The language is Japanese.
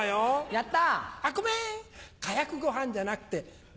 やった。